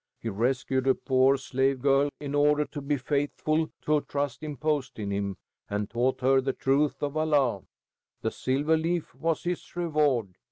He rescued a poor slave girl in order to be faithful to a trust imposed in him, and taught her the truths of Allah. The silver leaf was his reward.